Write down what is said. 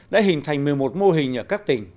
đã hình thành một mươi một mô hình ở các tỉnh